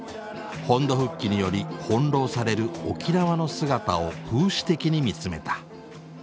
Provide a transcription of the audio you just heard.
本土復帰により翻弄される沖縄の姿を風刺的に見つめた。